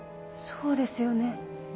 そうですよね。